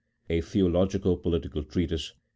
A THEOLOGICO POLITICAL TREATISE.